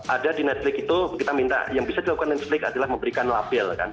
ada di netflix itu kita minta yang bisa dilakukan netflix adalah memberikan label kan